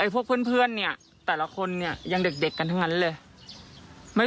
พวกเพื่อนเนี่ยแต่ละคนเนี่ยยังเด็กกันทั้งนั้นเลย